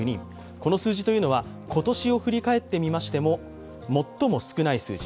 この数字というのは今年を振り返ってみましても最も少ない数字。